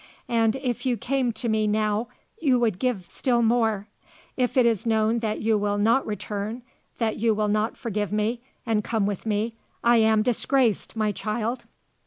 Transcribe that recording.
And if you came to me now you would give still more. If it is known that you will not return that you will not forgive me and come with me I am disgraced, my child.